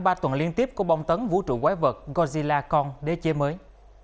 bán ba tuần liên tiếp của bông tấn vũ trụ quái vật godzilla kong để chế mới